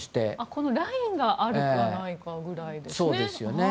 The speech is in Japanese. このラインがあるかないかぐらいですよね。